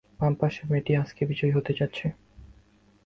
বামপাশের মেয়েটি আজকের বিজয়ী হতে যাচ্ছে।